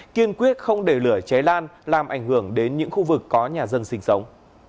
kiên quyết không để lửa cháy lan làm ảnh hưởng đến những khu vực có nhà dân sinh sống